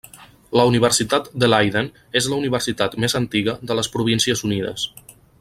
La Universitat de Leiden és la universitat més antiga de les Províncies Unides.